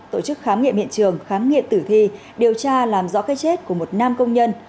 tổ chức khám nghiệm hiện trường khám nghiệm tử thi điều tra làm rõ cái chết của một nam công nhân